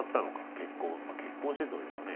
結婚してというかね。